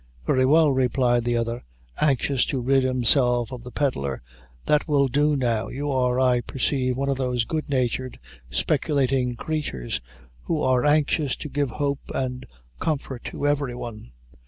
"Very well," replied the other, anxious to rid himself of the pedlar, "that will do, now. You are, I perceive, one of those good natured, speculating creatures, who are anxious to give hope and comfort to every one.